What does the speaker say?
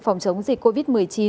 phòng chống dịch covid một mươi chín